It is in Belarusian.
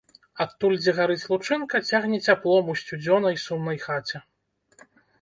Адтуль, дзе гарыць лучынка, цягне цяплом у сцюдзёнай, сумнай хаце.